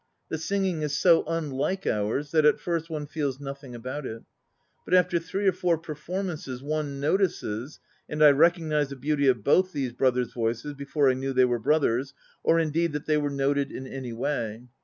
The singing is so unlike ours, that at first one feels nothing about it. But after three or four performances one notices, and I recognized the beauty of both these brothers' voices before I knew they were brothers, or, indeed, that they were noted in any way.